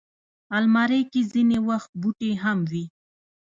الماري کې ځینې وخت بوټي هم وي